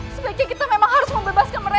sebaiknya kita memang harus membebaskan mereka